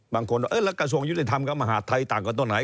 บางคนแล้วกระทรวงยุติธรรมกับมหาดไทยต่างกับต้นไหน